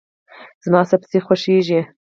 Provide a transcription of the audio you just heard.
زما سبزي خوښیږي.